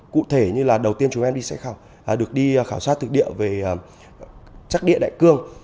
cụ thể là đầu tiên chúng em sẽ được đi khảo sát thực địa về chất địa đại cương